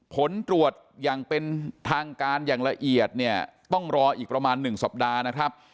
ผลตรวจอย่างเป็นทางการอย่างละเอียดเนี่ยต้องรออีกประมาณ๑สัปดาห์นะครับ